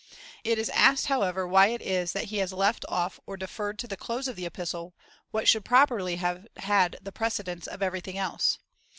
It is asked, however, why it is that he has left off or de ferred to the close of the Epistle, what should properly have had the precedence of everything else